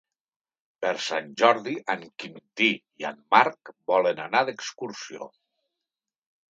Per Sant Jordi en Quintí i en Marc volen anar d'excursió.